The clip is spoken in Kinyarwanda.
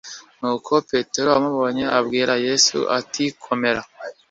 Nuko Petero amubonye abwira Yesu ati komera